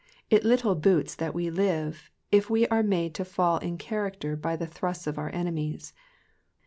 It little boots that we live, if we are made to fall in character by the thrusts of our enemies.